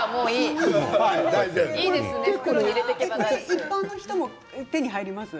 一般の人も手に入りますか。